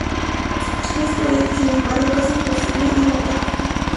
Esto es, sin embargo, casi imposible en la práctica.